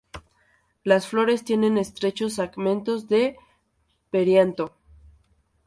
Las flores tienen estrechos segmentos de perianto.